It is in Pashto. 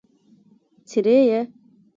څرې يې؟